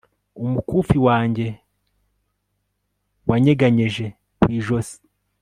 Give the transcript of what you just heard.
umukufi wanjye wanyeganyeje ku ijosi